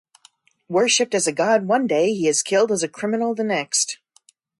Worshipped as a god one day, he is killed as a criminal the next.